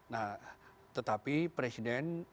nah tetapi presiden